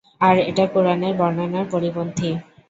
আর এটা কুরআনের বর্ণনার পরিপন্থী।